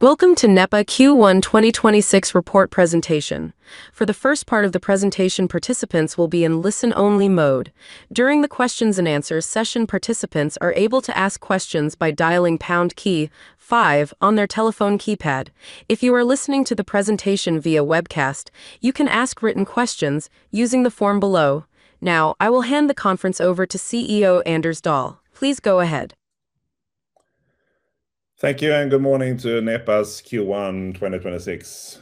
Welcome to Nepa Q1 2026 report presentation. For the first part of the presentation, participants will be in listen-only mode. During the questions-and-answers session, participants are able to ask questions by dialing pound key five on their telephone keypad. If you are listening to the presentation via webcast, you can ask written questions using the form below. Now, I will hand the conference over to CEO Anders Dahl. Please go ahead. Thank you, good morning to Nepa's Q1 2026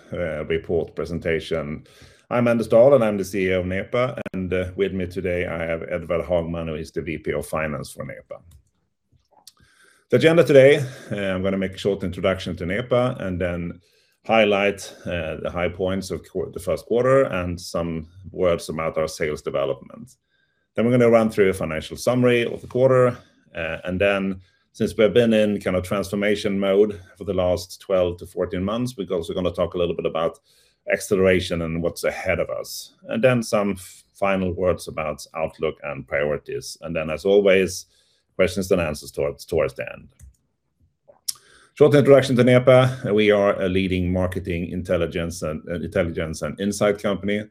report presentation. I'm Anders Dahl, and I'm the CEO of Nepa, and with me today, I have Edvard Hagman, who is the VP of Finance for Nepa. The agenda today, I'm gonna make a short introduction to Nepa, and then highlight the high points of the first quarter, and some words about our sales development. We're gonna run through a financial summary of the quarter. Since we've been in kind of transformation mode for the last 12 to 14 months, we're also gonna talk a little bit about acceleration and what's ahead of us. Some final words about outlook and priorities, and then, as always, questions and answers towards the end. Short introduction to Nepa. We are a leading marketing intelligence and insight company.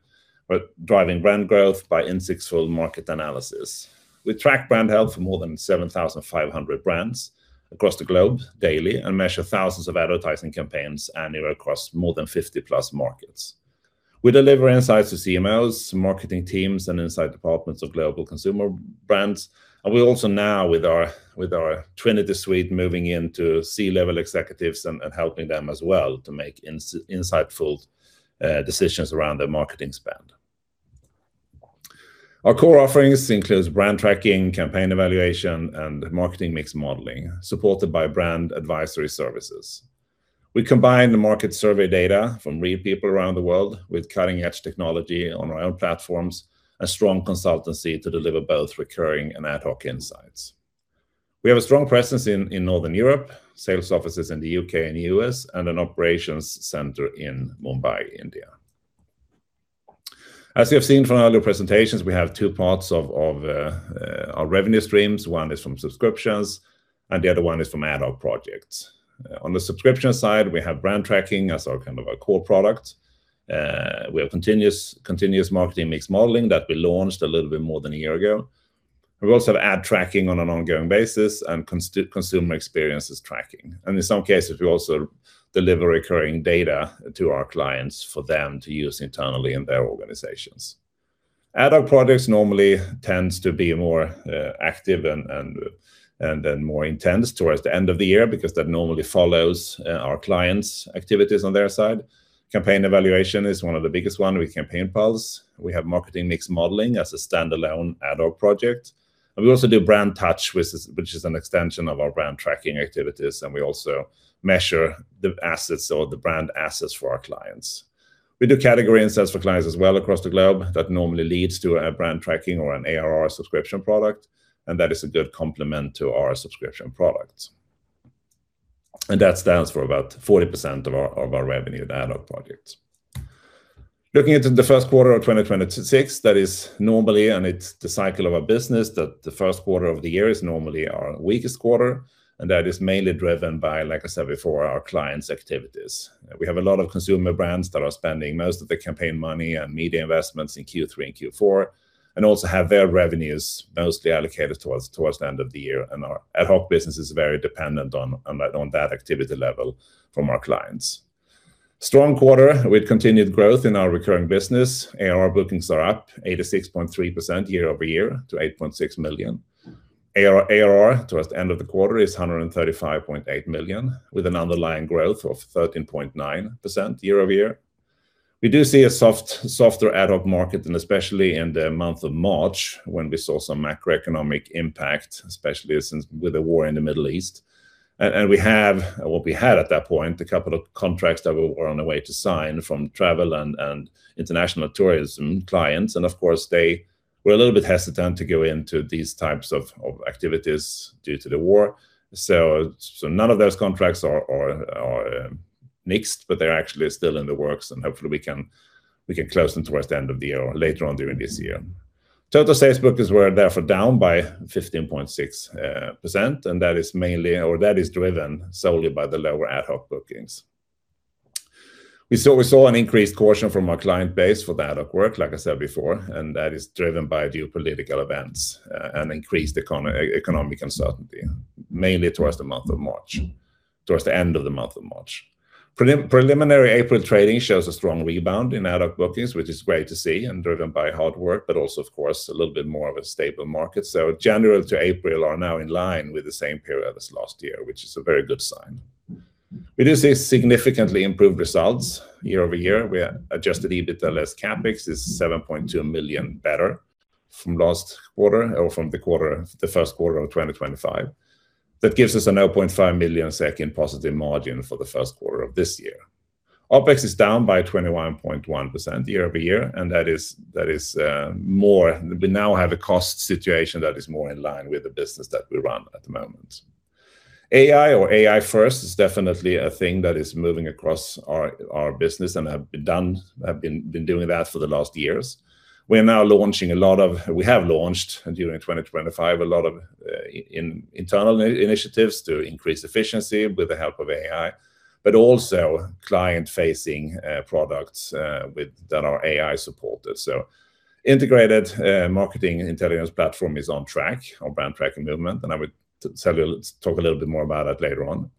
We're driving brand growth by insightful market analysis. We track brand health for more than 7,500 brands across the globe daily and measure thousands of advertising campaigns annually across more than 50+ markets. We deliver insights to CMOs, marketing teams, and insight departments of global consumer brands, and we are also now, with our Nepa Trinity suite, moving into C-level executives and helping them as well to make insightful decisions around their marketing spend. Our core offerings include Brand Tracking, Campaign Evaluation, and Marketing Mix Modelling, supported by brand advisory services. We combine the market survey data from real people around the world with cutting-edge technology on our own platforms and strong consultancy to deliver both recurring and ad hoc insights. We have a strong presence in Northern Europe, sales offices in the U.K. and U.S., and an operations center in Mumbai, India. As you have seen from our other presentations, we have two parts of our revenue streams. One is from subscriptions, the other one is from ad hoc projects. On the subscription side, we have Brand Tracking as our kind of our core product. We have a continuous Marketing Mix Modelling that we launched a little bit more than a year ago. We also have ad tracking on an ongoing basis and consumer experience tracking. In some cases, we also deliver recurring data to our clients for them to use internally in their organizations. Ad hoc projects normally tend to be more active and then more intense towards the end of the year because that normally follows our clients' activities on their side. Campaign evaluation is one of the biggest ones with Campaign Pulse. We have Marketing Mix Modelling as a standalone ad hoc project. We also do Brand Touch, which is an extension of our Brand Tracking activities. We also measure the assets or the brand assets for our clients. We do Category Insights for clients as well across the globe that normally leads to a Brand Tracking or an ARR subscription product. That is a good complement to our subscription products. That stands for about 40% of our revenue in ad hoc projects. Looking into the first quarter of 2026, that is normally; it is the cycle of our business, that the first quarter of the year is normally our weakest quarter. That is mainly driven by, like I said before, our clients' activities. We have a lot of consumer brands that are spending most of the campaign money and media investments in Q3 and Q4, and also have their revenues mostly allocated towards the end of the year. Our ad hoc business is very dependent on that activity level from our clients. Strong quarter with continued growth in our recurring business. ARR bookings are up 86.3% year-over-year to 8.6 million. ARR towards the end of the quarter is 135.8 million, with an underlying growth of 13.9% year-over-year. We do see a softer ad hoc market, especially in the month of March when we saw some macroeconomic impact, especially since with the war in the Middle East. We have, or we had at that point, a couple of contracts that we were on the way to sign from travel and international tourism clients. Of course, they were a little bit hesitant to go into these types of activities due to the war. None of those contracts are nixed, but they're actually still in the works, and hopefully we can close them towards the end of the year or later on during this year. Total sales bookings were therefore down by 15.6%, that is mainly, or that is driven solely by the lower ad hoc bookings. We saw an increased caution from our client base for the ad hoc work, like I said before. That is driven by geopolitical events and increased economic uncertainty, mainly towards the month of March, towards the end of the month of March. Preliminary April trading shows a strong rebound in ad hoc bookings, which is great to see. Also, of course, a little bit more of a stable market. January to April are now in line with the same period as last year, which is a very good sign. We do see significantly improved results year-over-year, where adjusted EBITDA less CapEx is 7.2 million better from last quarter or from the quarter, the first quarter of 2025. That gives us a 0.5 million second positive margin for the first quarter of this year. OpEx is down by 21.1% year-over-year; that is, we now have a cost situation that is more in line with the business that we run at the moment. AI or AI-first is definitely a thing that is moving across our business and has been doing that for the last years. We have launched during 2025 a lot of internal initiatives to increase efficiency with the help of AI, but also client-facing products with that are AI-supported. Integrated marketing intelligence platform is on track. Our Brand Tracking movement, I would talk a little bit more about that later on.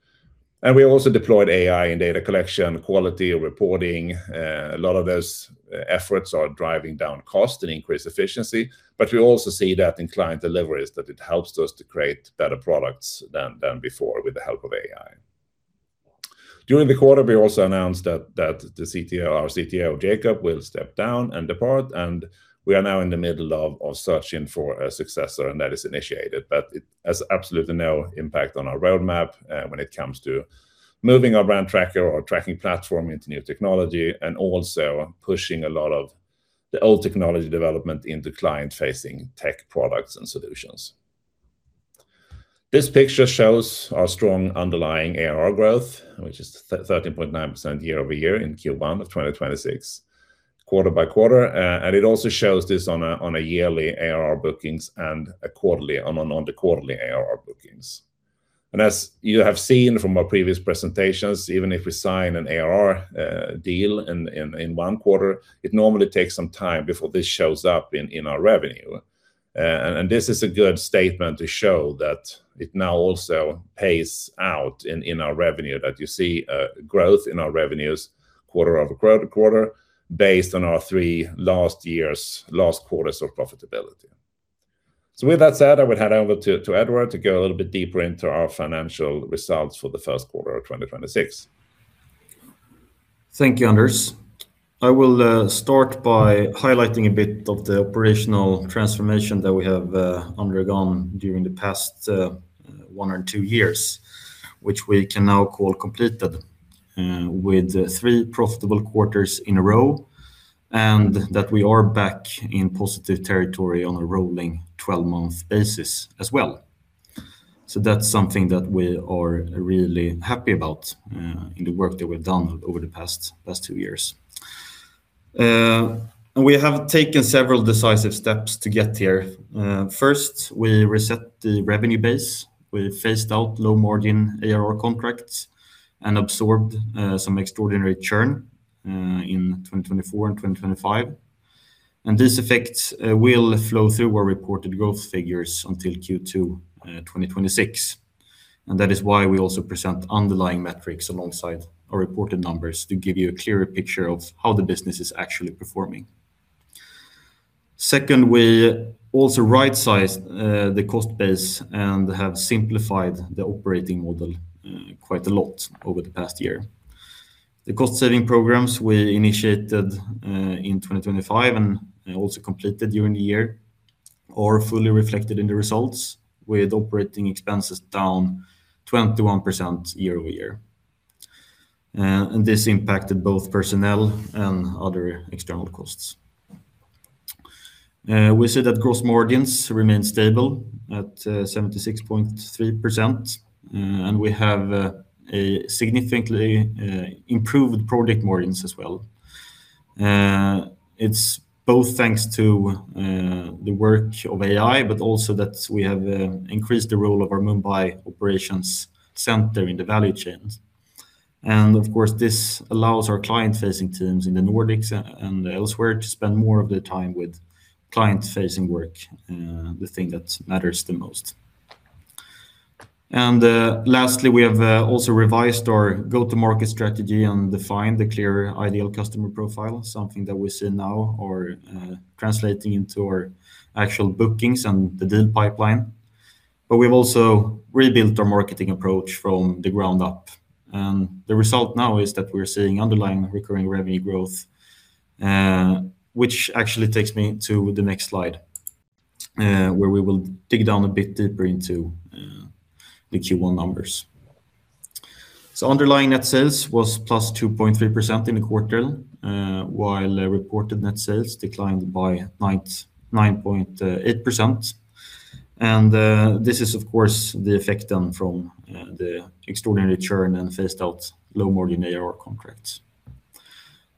We also deployed AI in data collection, quality, and reporting. A lot of those efforts are driving down cost and increasing efficiency. But we also see that in client deliveries, it helps us to create better products than before with the help of AI. During the quarter, we also announced that the CTO, our CTO, Jacob, will step down and depart, and we are now in the middle of searching for a successor, and that is initiated. It has absolutely no impact on our roadmap when it comes to moving our brand tracker or tracking platform into new technology, and also pushing a lot of the old technology development into client-facing tech products and solutions. This picture shows our strong underlying ARR growth, which is 13.9% year-over-year in Q1 of 2026, quarter by quarter. It also shows this on the yearly ARR bookings and on the quarterly ARR bookings. As you have seen from our previous presentations, even if we sign an ARR deal in one quarter, it normally takes some time before this shows up in our revenue. And this is a good statement to show that it now also pays out in our revenue that you see growth in our revenues quarter-over-quarter based on our three last years' last quarter of profitability. With that said, I would hand over to Edvard to go a little bit deeper into our financial results for the first quarter of 2026. Thank you, Anders. I will start by highlighting a bit of the operational transformation that we have undergone during the past one or two years, which we can now call completed with three profitable quarters in a row, and that we are back in positive territory on a rolling 12-month basis as well. That's something that we are really happy about in the work that we've done over the past two years. We have taken several decisive steps to get here. First, we reset the revenue base. We phased out low-margin ARR contracts and absorbed some extraordinary churn in 2024 and 2025. This effect will flow through our reported growth figures until Q2 2026. That is why we also present underlying metrics alongside our reported numbers to give you a clearer picture of how the business is actually performing. Second, we also right-sized the cost base and have simplified the operating model quite a lot over the past year. The cost-saving programs we initiated in 2025 and also completed during the year are fully reflected in the results, with operating expenses down 21% year-over-year. This impacted both personnel and other external costs. We see that gross margins remain stable at 76.3%, and we have significantly improved project margins as well. It's both thanks to the work of AI, but also that we have increased the role of our Mumbai operations center in the value chains. Of course, this allows our client-facing teams in the Nordics and elsewhere to spend more of their time with client-facing work, the thing that matters the most. Lastly, we have also revised our go-to-market strategy and defined a clear ideal customer profile, something that we see now are translating into our actual bookings and the deal pipeline. We've also rebuilt our marketing approach from the ground up. The result now is that we're seeing underlying recurring revenue growth, which actually takes me to the next slide, where we will dig down a bit deeper into the Q1 numbers. Underlying net sales was +2.3% in the quarter, while reported net sales declined by 9.8%. This is, of course, the effect done from the extraordinary churn and phased-out low-margin ARR contracts.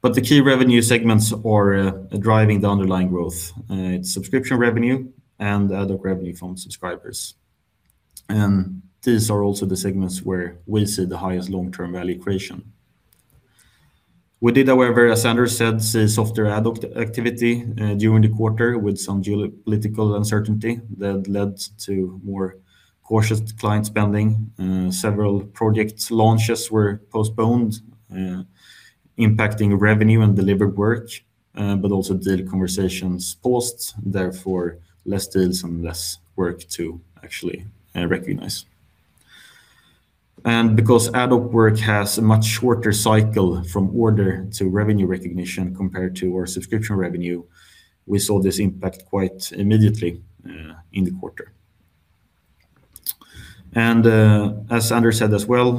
The key revenue segments are driving the underlying growth. It's subscription revenue and other revenue from subscribers. These are also the segments where we see the highest long-term value creation. We did, however, as Anders said, see softer ad hoc activity during the quarter with some geopolitical uncertainty that led to more cautious client spending. Several project launches were postponed, impacting revenue and delivered work, but also deal conversations were paused, therefore less deals and less work to actually recognize. Because ad hoc work has a much shorter cycle from order to revenue recognition compared to our subscription revenue, we saw this impact quite immediately in the quarter. As Anders said as well,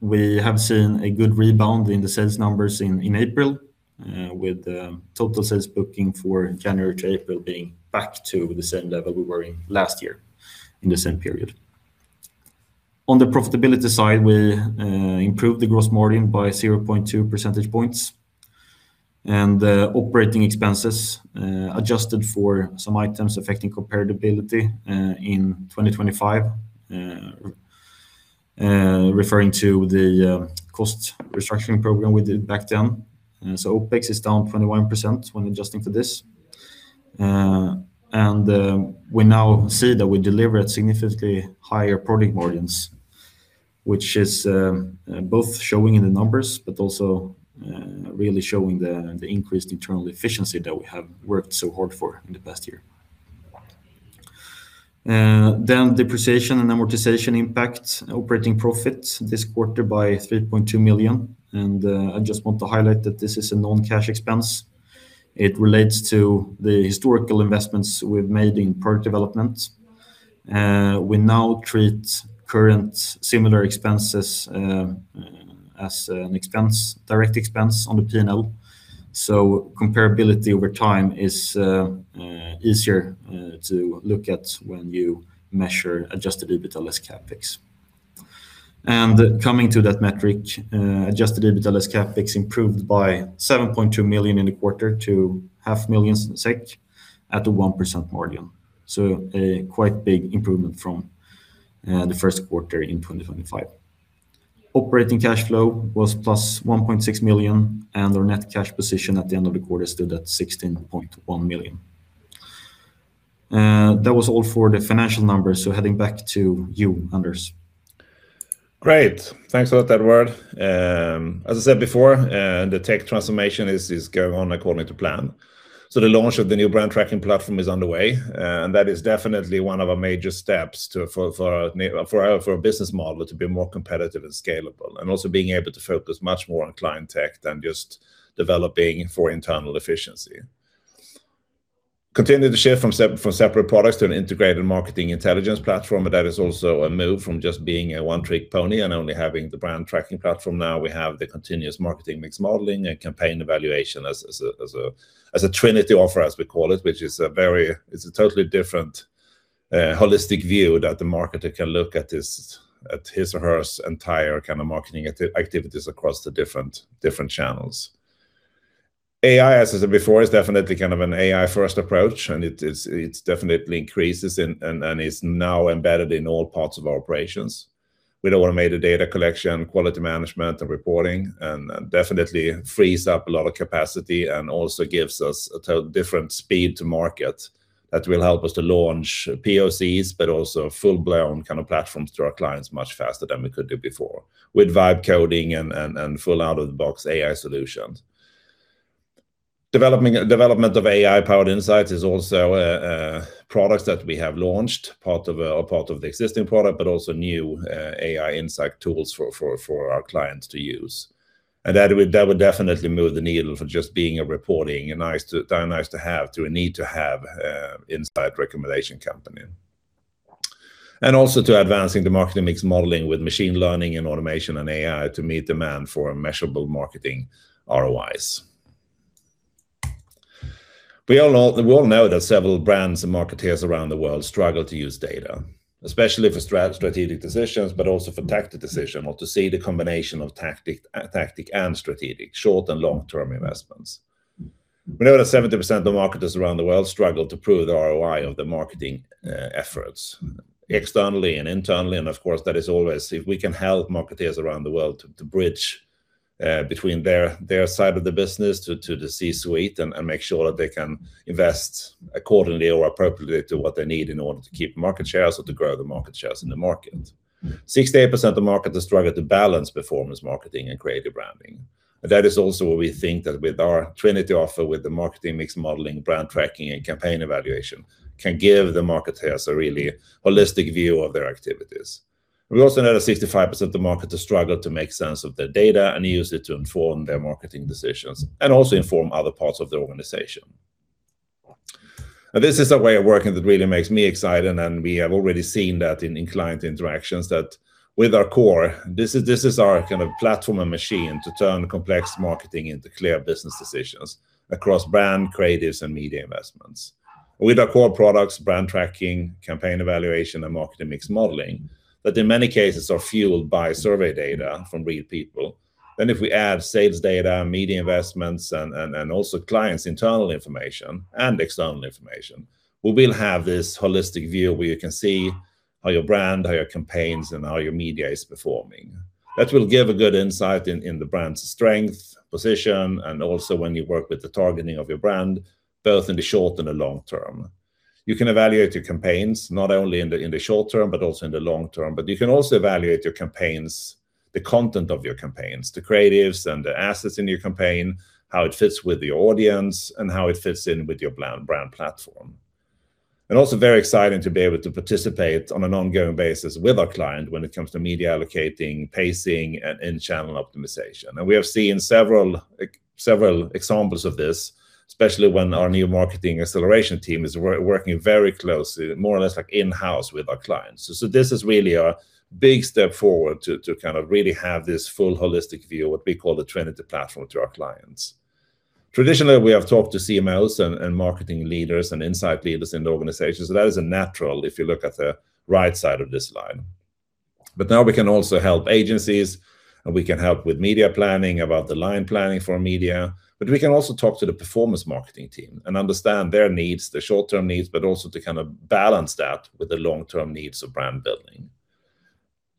we have seen a good rebound in the sales numbers in April, with total sales bookings for January to April being back to the same level we were in last year in the same period. On the profitability side, we improved the gross margin by 0.2 percentage points. Operating expenses, adjusted for some items affecting comparability in 2025, refer to the cost restructuring program we did back then. OpEx is down 21% when adjusting for this. We now see that we delivered significantly higher product margins, which is both showing in the numbers but also really showing the increased internal efficiency that we have worked so hard for in the past year. Depreciation and amortization impact operating profits this quarter by 3.2 million. I just want to highlight that this is a non-cash expense. It relates to the historical investments we've made in product development. We now treat current similar expenses as an expense, a direct expense on the P&L. Comparability over time is easier to look at when you measure adjusted EBITDA less CapEx. Coming to that metric, adjusted EBITDA less CapEx improved by 7.2 million in the quarter to 500,000 SEK at a 1% margin, a quite big improvement from the first quarter in 2025. Operating cash flow was +1.6 million. Our net cash position at the end of the quarter stood at 16.1 million. That was all for the financial numbers, so heading back to you, Anders. Great. Thanks a lot, Edvard. As I said before, the tech transformation is going on according to plan. The launch of the new Brand Tracking platform is underway, and that is definitely one of our major steps for our business model to be more competitive and scalable. Also, being able to focus much more on client tech than just developing for internal efficiency. Continue to shift from separate products to an integrated marketing intelligence platform, that is also a move from just being a one-trick pony and only having the Brand Tracking platform. Now we have the continuous Marketing Mix Modelling and campaign evaluation as a Nepa Trinity offer, as we call it, which is a totally different holistic view that the marketer can look at his or hers entire kind of marketing activities across the different channels. AI, as I said before, is definitely kind of an AI-first approach, and it definitely increases and is now embedded in all parts of our operations. With automated data collection, quality management, and reporting, and definitely frees up a lot of capacity and also gives us a different speed to market that will help us to launch POCs, but also full-blown kind of platforms to our clients much faster than we could do before, with vibe coding and full out-of-the-box AI solutions. Development of AI-powered insights is also a product that we have launched, part of the existing product, but also new AI insight tools for our clients to use. That would definitely move the needle from just being a reporting and nice-to-have to a need-to-have insight recommendation company. Also, to advance the Marketing Mix Modelling with machine learning, and automation, and AI to meet demand for measurable marketing ROIs. We all know that several brands and marketers around the world struggle to use data, especially for strategic decisions, but also for tactic decision, or to see the combination of tactical and strategic, short and long-term investments. We know that 70% of marketers around the world struggle to prove the ROI of the marketing efforts, externally and internally, that is always if we can help marketeers around the world to bridge between their side of the business to the C-suite and make sure that they can invest accordingly or appropriately to what they need in order to keep market shares or to grow the market shares in the market. 68% of marketers struggle to balance performance marketing and creative branding. That is also what we think that with our Nepa Trinity offer, with the Marketing Mix Modelling, Brand Tracking, and Campaign Evaluation can give the marketers a really holistic view of their activities. We also know that 65% of marketers struggle to make sense of their data and use it to inform their marketing decisions, and also inform other parts of the organization. This is a way of working that really makes me excited, and we have already seen that in client interactions that with our core, this is our kind of platform and machine to turn complex marketing into clear business decisions across brand, creatives, and media investments. With our core products, Brand Tracking, Campaign evaluation, and Marketing Mix Modelling, that in many cases are fueled by survey data from real people. If we add sales data, media investments, and also clients' internal information and external information, we will have this holistic view where you can see how your brand, how your campaigns, and how your media is performing. That will give a good insight in the brand's strength, position, and also when you work with the targeting of your brand, both in the short and the long term. You can evaluate your campaigns not only in the short term, but also in the long term. You can also evaluate your campaigns, the content of your campaigns, the creatives, and the assets in your campaign, how it fits with the audience, and how it fits in with your brand platform. Also very exciting to be able to participate on an ongoing basis with our client when it comes to media allocating, pacing, and in-channel optimization. We have seen several examples of this, especially when our new marketing acceleration team is working very closely, more or less like in-house, with our clients. This is really a big step forward to kind of really have this full, holistic view, what we call the Nepa Trinity platform, to our clients. Traditionally, we have talked to CMOs and marketing leaders and insight leaders in the organization, so that is a natural if you look at the right side of this slide. Now we can also help agencies, and we can help with media planning, above the line planning for media. We can also talk to the performance marketing team and understand their needs, their short-term needs, but also to kind of balance that with the long-term needs of brand building.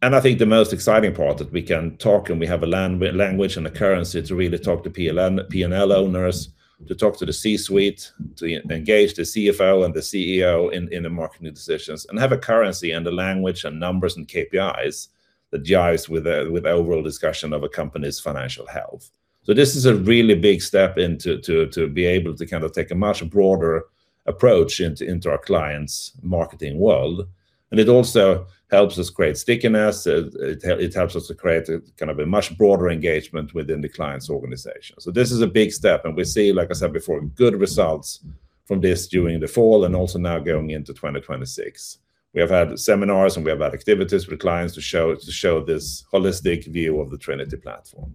I think the most exciting part is that we can talk, and we have a language and a currency to really talk to P&L owners, to talk to the C-suite, to engage the CFO and the CEO in the marketing decisions, and have a currency and a language and numbers and KPIs that jive with the overall discussion of a company's financial health. This is a really big step into to be able to kind of take a much broader approach to our clients' marketing world, and it also helps us create stickiness. It helps us to create a, kind of a much broader engagement within the client's organization. This is a big step, and we see, like I said before, good results from this during the fall and also now going into 2026. We have had seminars, and we have had activities with clients to show this holistic view of the Nepa Trinity platform.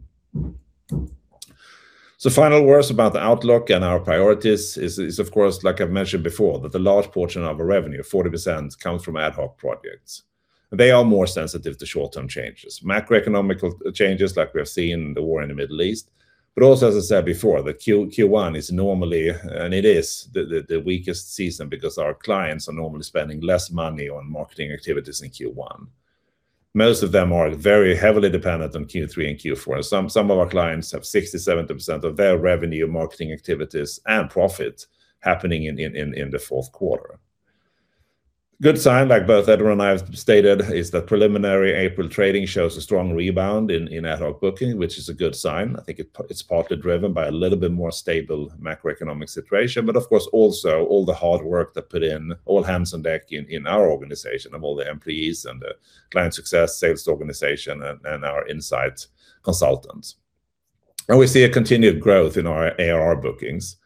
Final words about the outlook and our priorities is of course, like I've mentioned before, that a large portion of our revenue, 40%, comes from ad hoc projects. They are more sensitive to short-term changes, macroeconomic changes like we have seen, the war in the Middle East. Also, as I said before, the Q1 is normally, and it is the weakest season because our clients are normally spending less money on marketing activities in Q1. Most of them are very heavily dependent on Q3 and Q4, some of our clients have 60%, 70% of their revenue, marketing activities, and profit happening in the fourth quarter. Good sign, like both Edvard and I have stated, is that preliminary April trading shows a strong rebound in ad hoc booking, which is a good sign. I think it's partly driven by a little bit more stable macroeconomic situation, but of course also all the hard work that we put in all hands on deck in our organization of all the employees, and the client success sales organization, and our insights consultants. We see a continued growth in our ARR bookings.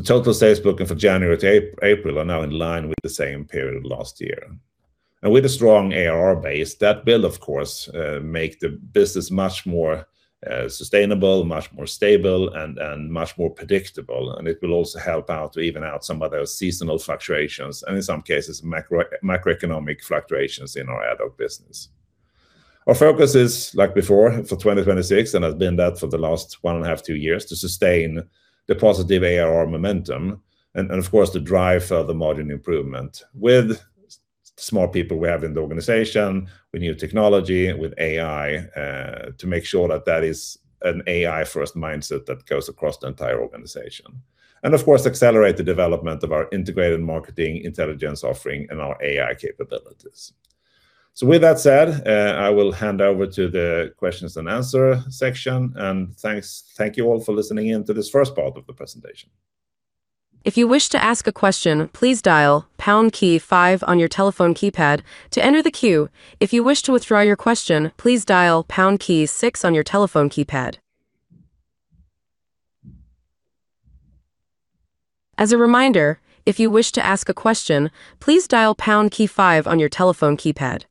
Total sales bookings for January to April are now in line with the same period last year. With a strong ARR base, that will, of course, make the business much more sustainable, much more stable, and much more predictable, and it will also help out to even out some of those seasonal fluctuations and, in some cases, macroeconomic fluctuations in our ad hoc business. Our focus is, like before, for 2026, and has been that for the last one and a half to two years, to sustain the positive ARR momentum and, of course, to drive further margin improvement with the smart people we have in the organization, with new technology, with AI, to make sure that that is an AI-first mindset that goes across the entire organization. Of course, accelerate the development of our integrated marketing intelligence offering and our AI capabilities. With that said, I will hand over to the question-and-answer section, and thanks. Thank you all for listening in to this first part of the presentation. If you wish to ask a question, please dial pound key five on your telephone keypad to enter the queue. If you wish to withdraw your question, please dial pound key six on your telephone keypad. As a reminder, if you wish to ask a question, please dial pound key five on your telephone keypad.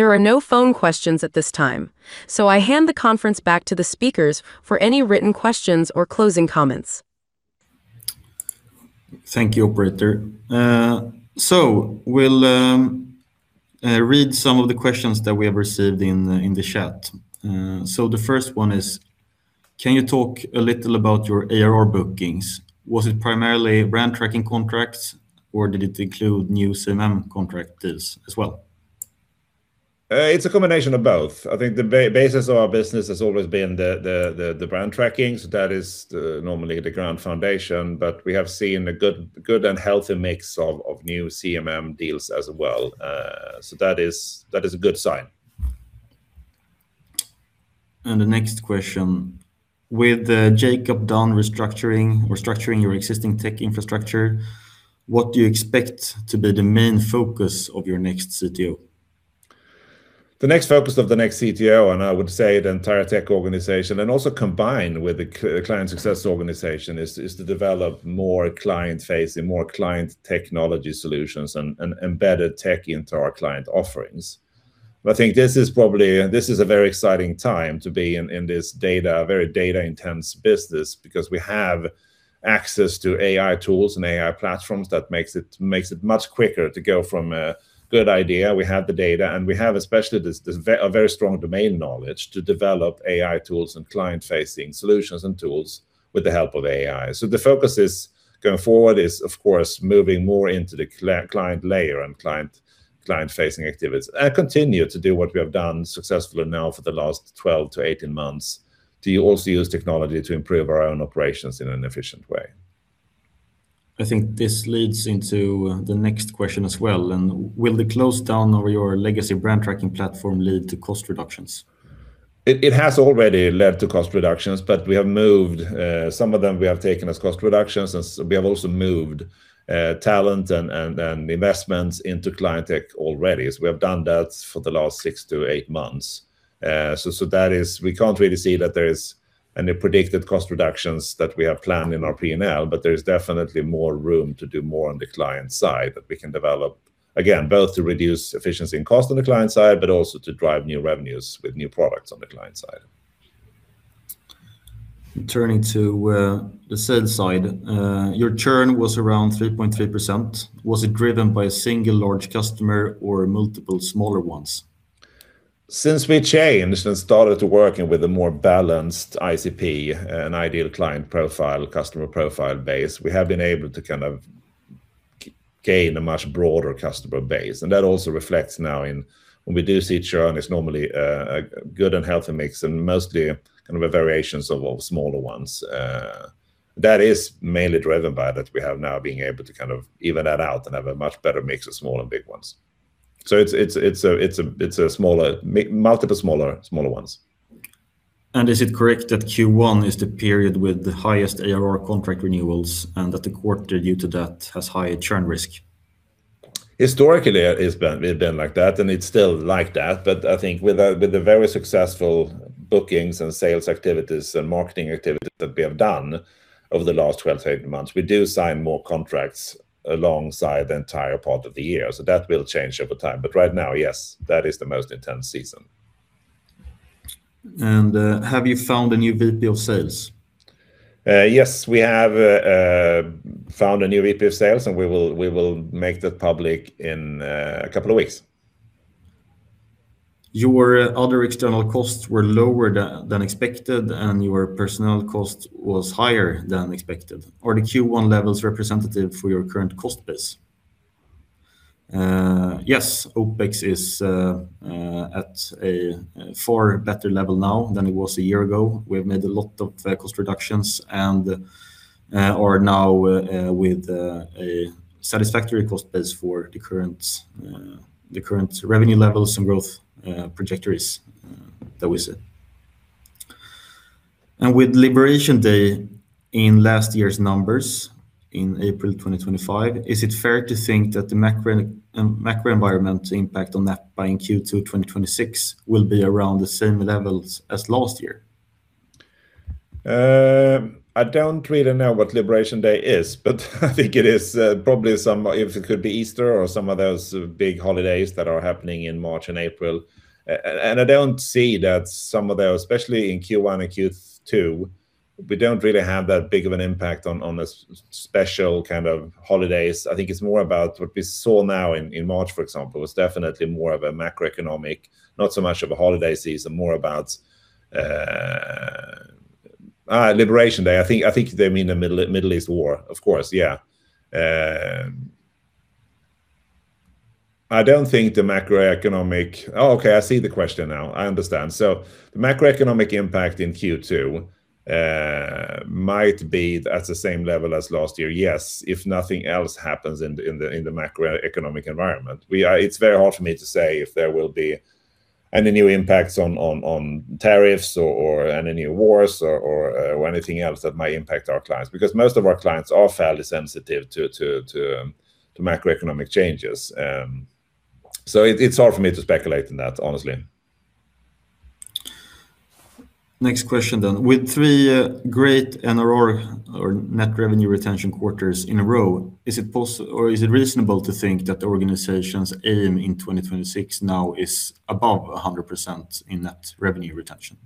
There are no phone questions at this time, so I hand the conference back to the speakers for any written questions or closing comments. Thank you, operator. We'll read some of the questions that we have received in the chat. The first one is, can you talk a little about your ARR bookings? Was it primarily Brand Tracking contracts, or did it include new CMM contractors as well? It's a combination of both. I think the basis of our business has always been brand tracking. That is normally the ground foundation, but we have seen a good and healthy mix of new CMM deals as well. That is a good sign. The next question, with Jacob done restructuring or structuring your existing tech infrastructure, what do you expect to be the main focus of your next CTO? The next focus of the next CTO, and I would say the entire tech organization, and also combined with the client success organization, is to develop more client-facing, more client technology solutions, and embed tech into our client offerings. I think this is probably a very exciting time to be in this data, very data-intense business because we have access to AI tools and AI platforms that make it much quicker to go from a good idea. We have the data, we have especially this very strong domain knowledge to develop AI tools and client-facing solutions and tools with the help of AI. The focus is, going forward, is of course moving more into the client layer and client-facing activities, and continue to do what we have done successfully now for the last 12 to 18 months, to also use technology to improve our own operations in an efficient way. I think this leads into the next question as well. Will the close down of your legacy Brand Tracking platform lead to cost reductions? It has already led to cost reductions, but we have moved some of them we have taken as cost reductions, and so we have also moved talent and investments into client tech already. We have done that for the last six to eight months. We can't really see that there's any predicted cost reductions that we have planned in our P&L, but there is definitely more room to do more on the client side that we can develop, again, both to reduce efficiency and cost on the client side, but also to drive new revenues with new products on the client side. Turning to the sales side, your churn was around 3.3%. Was it driven by a single large customer or multiple smaller ones? Since we changed and started to working with a more balanced ICP and ideal client profile, customer profile-based, we have been able to kind of gain a much broader customer base. That also reflects now in when we do see churn, it's normally a good and healthy mix and mostly kind of a variation of all the smaller ones. That is mainly driven by that we have now been able to kind of even that out and have a much better mix of small and big ones. It's a smaller, multiple smaller ones. Is it correct that Q1 is the period with the highest ARR contract renewals, and that the quarter due to that has high churn risk? Historically, it had been like that, and it's still like that. I think with the very successful bookings and sales activities and marketing activities that we have done over the last 12 to 18 months, we do sign more contracts alongside the entire part of the year. That will change over time. Right now, yes, that is the most intense season. Have you found a new VP of Sales? Yes, we have found a new VP of Sales, and we will make that public in a couple of weeks. Your other external costs were lower than expected, and your personnel cost was higher than expected. Are the Q1 levels representative for your current cost base? Yes, OpEx is at a far better level now than it was a year ago. We have made a lot of cost reductions and are now with a satisfactory cost base for the current the current revenue levels and growth trajectories that we set. With Liberation Day in last year's numbers in April 2025, is it fair to think that the macro environment impact on that by Q2 2026 will be around the same levels as last year? I don't really know what Liberation Day is, but I think it is probably if it could be Easter or some of those big holidays that are happening in March and April. I don't see that some of those, especially in Q1 and Q2, we don't really have that big of an impact on the special kind of holidays. I think it's more about what we saw now in March, for example, was definitely more of a macroeconomic, not so much of a holiday season, more about Liberation Day. I think they mean the Middle East war. Of course, yeah. Oh, okay, I see the question now. I understand. The macroeconomic impact in Q2 might be at the same level as last year, yes, if nothing else happens in the macroeconomic environment. It's very hard for me to say if there will be any new impacts on tariffs or any new wars or anything else that might impact our clients, because most of our clients are fairly sensitive to macroeconomic changes. It's hard for me to speculate on that, honestly. Next question. With three great NRR or Net Revenue Retention quarters in a row, is it reasonable to think that the organization's aim in 2026 now is above 100% in Net Revenue Retention?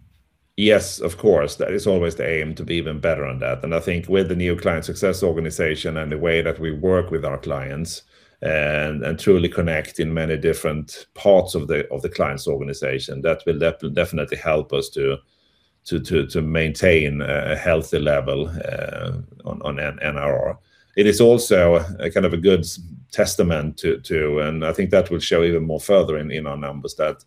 Yes, of course. That is always the aim to be even better on that. I think with the new client success organization and the way that we work with our clients and truly connect in many different parts of the client's organization, that will definitely help us to maintain a healthy level on NRR. It is also a kind of a good testament to, and I think that will show even more further in our numbers that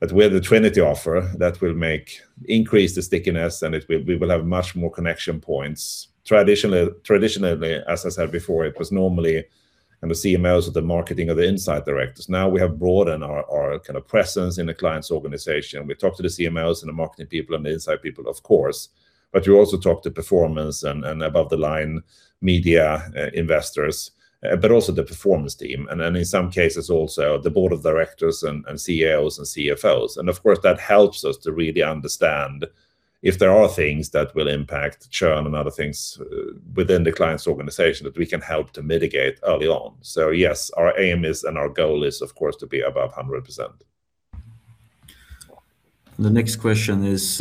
with the Nepa Trinity offer, that will make increase the stickiness, and we will have much more connection points. Traditionally, as I said before, it was normally the CMOs, or the marketing or the insight directors. Now we have broadened our kind of presence in the client's organization. We talk to the CMOs and the marketing people and the insight people, of course, but we also talk to performance and above the line media investors, but also the performance team, and then in some cases also the board of directors and CEOs and CFOs. Of course, that helps us to really understand if there are things that will impact churn and other things within the client's organization that we can help to mitigate early on. Yes, our aim is, and our goal is, of course, to be above 100%. The next question is,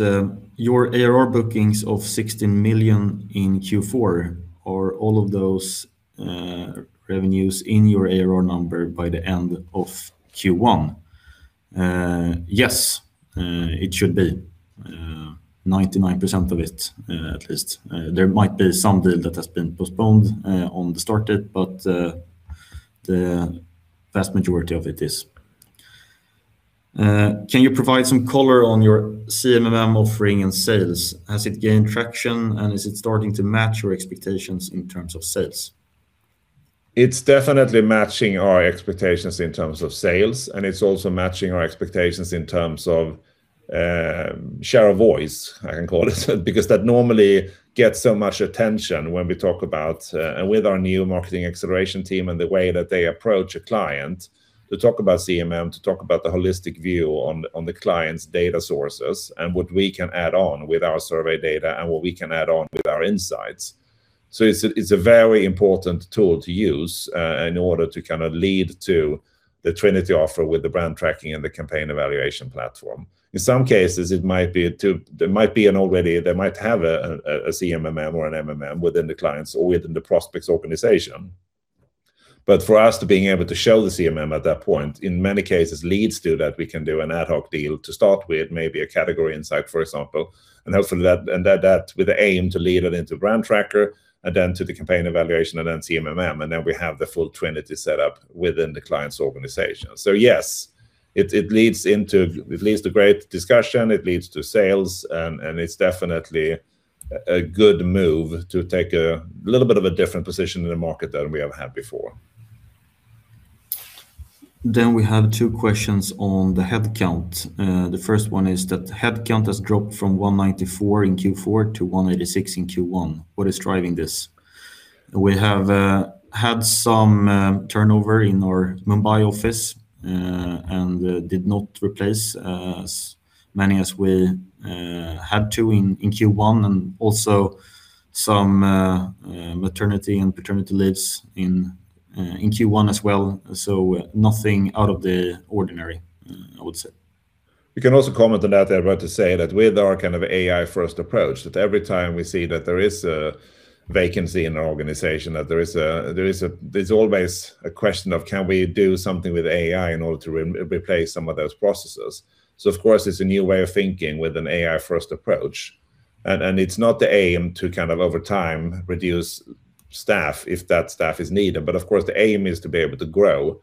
your ARR bookings of 16 million in Q4, are all of those revenues in your ARR number by the end of Q1? Yes, it should be 99% of it, at least. There might be some deals that have been postponed on the start date, but the vast majority of it is. Can you provide some color on your CMM offering and sales? Has it gained traction, and is it starting to match your expectations in terms of sales? It's definitely matching our expectations in terms of sales, and it's also matching our expectations in terms of share of voice. I can call it because that normally gets so much attention when we talk about. With our new marketing acceleration team and the way that they approach a client to talk about CMM, to talk about the holistic view on the client's data sources, and what we can add on with our survey data, and what we can add on with our insights. It's a, it's a very important tool to use in order to kind of lead to the Nepa Trinity offer with the Brand Tracking and the Campaign Evaluation platform. In some cases, it might be that they might have a CMM or an MMM within the clients or within the prospect's organization. For us to being able to show the CMM at that point, in many cases, leads to that we can do an ad hoc deal to start with, maybe a Category Insight, for example. Hopefully that, with the aim to lead it into Brand Tracking and then to the Campaign evaluation and then CMM, and then we have the full Nepa Trinity set up within the client's organization. Yes, it leads into, it leads to great discussion, it leads to sales, and it's definitely a good move to take a little bit of a different position in the market than we have had before. We have two questions on the headcount. The first one is that, "Headcount has dropped from 194 in Q4 to 186 in Q1. What is driving this?" We have had some turnover in our Mumbai office, and did not replace as many as we had to in Q1, and also some maternity and paternity leaves in Q1 as well. Nothing out of the ordinary, I would say. We can also comment on that, Edvard, to say that with our kind of AI-first approach, every time we see that there is a vacancy in our organization, there's always a question of can we do something with AI in order to replace some of those processes. Of course, it's a new way of thinking with an AI-first approach, and it's not the aim to kind of over time reduce staff if that staff is needed. Of course, the aim is to be able to grow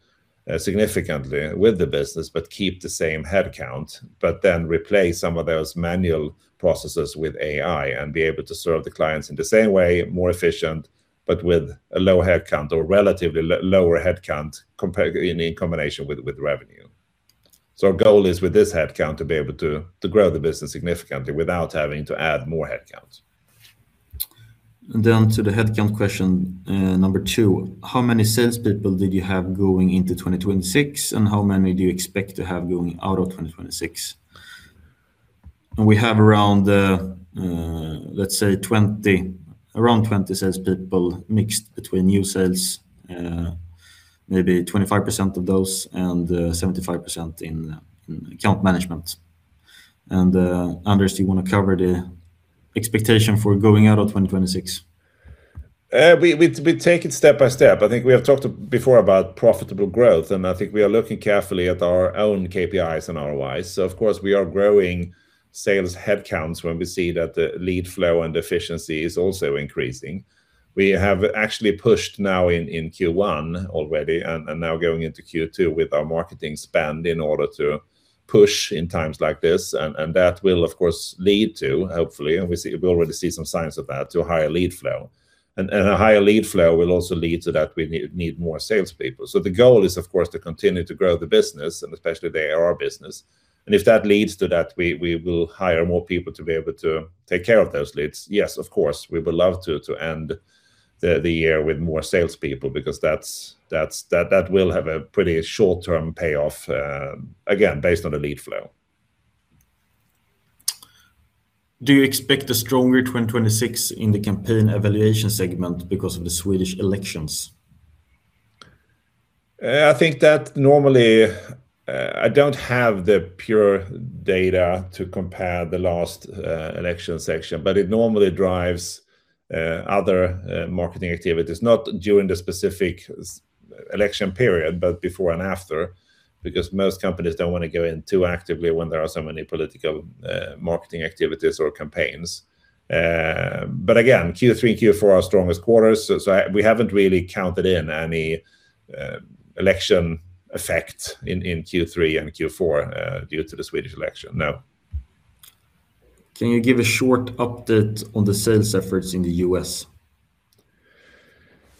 significantly with the business, but keep the same headcount, but then replace some of those manual processes with AI and be able to serve the clients in the same way, more efficiently, but with a low headcount or relatively lower headcount compared to the combination with revenue. Our goal is with this headcount to be able to grow the business significantly without having to add more headcount. To the headcount question, number two: "How many salespeople did you have going into 2026, and how many do you expect to have going out of 2026?"We have around, let's say 20, around 20 salespeople, mixed between new sales, maybe 25% of those, and 75% in account management. Anders, do you wanna cover the expectation for going out of 2026? We take it step by step. I think we have talked before about profitable growth, and I think we are looking carefully at our own KPIs and ROIs. Of course, we are growing sales headcounts when we see that the lead flow and efficiency is also increasing. We have actually pushed now in Q1 already and now going into Q2 with our marketing spend in order to push in times like this, and that will of course lead to, hopefully, and we already see some signs of that, to a higher lead flow. A higher lead flow will also lead to that we need more salespeople. The goal is, of course, to continue to grow the business and especially the ARR business. If that leads to that, we will hire more people to be able to take care of those leads. Yes, of course, we would love to end the year with more salespeople because that's, that will have a pretty short-term payoff, again, based on the lead flow. Do you expect a stronger 2026 in the campaign evaluation segment because of the Swedish elections? I think that normally I don't have the pure data to compare the last election section. It normally drives other marketing activities, not during the specific election period, but before and after, because most companies don't wanna go in too actively when there are so many political marketing activities or campaigns. Again, Q3 and Q4 are our strongest quarters, so we haven't really counted on any election effect in Q3 and Q4 due to the Swedish election, no. Can you give a short update on the sales efforts in the U.S.?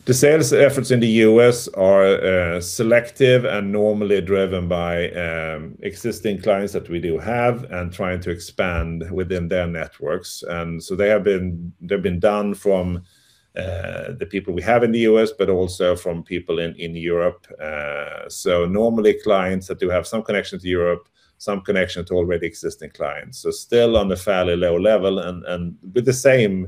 The sales efforts in the U.S. are selective and normally driven by existing clients that we do have and trying to expand within their networks. They've been done from the people we have in the U.S., but also from people in Europe. Normally, clients that do have some connection to Europe, some connection to already existing clients. Still on a fairly low level and with the same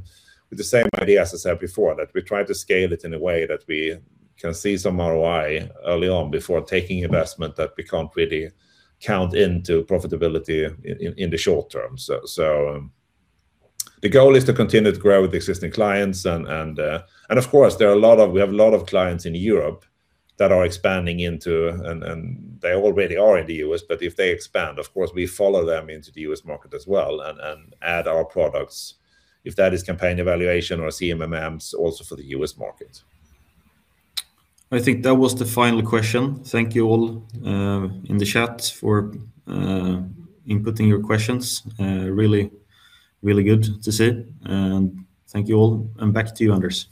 idea as I said before, that we try to scale it in a way that we can see some ROI early on before taking investment that we can't really count into profitability in the short term. The goal is to continue to grow with existing clients, and of course, we have a lot of clients in Europe that are expanding into, and they already are in the U.S., but if they expand, of course, we follow them into the U.S. market as well and add our products, if that is campaign evaluation or CMMs, also for the U.S. market. I think that was the final question. Thank you all in the chat for inputting your questions. That was really, really good to see. Thank you all. Back to you, Anders.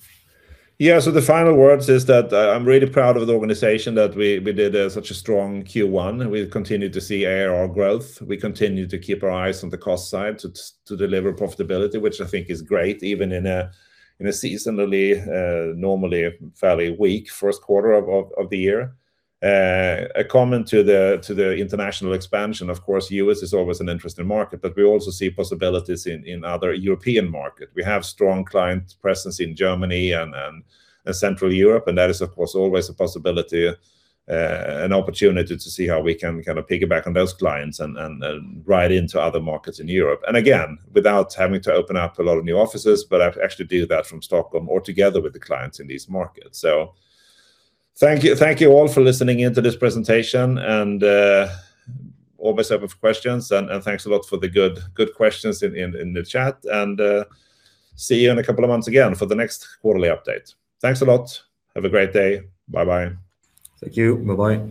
The final words is that I'm really proud of the organization that we did such a strong Q1, and we've continued to see ARR growth. We continue to keep our eyes on the cost side to deliver profitability, which I think is great, even in a seasonally normally, fairly weak first quarter of the year. A comment to the international expansion, of course, U.S. is always an interesting market, but we also see possibilities in other European markets. We have strong client presence in Germany and Central Europe, and that is, of course, always a possibility, an opportunity to see how we can kind of piggyback on those clients and ride into other markets in Europe. Without having to open up a lot of new offices, but I've actually do that from Stockholm or together with the clients in these markets. Thank you all for listening in to this presentation and all my set of questions. Thanks a lot for the good questions in the chat. See you in a couple of months again for the next quarterly update. Thanks a lot. Have a great day. Bye-bye. Thank you. Bye-bye.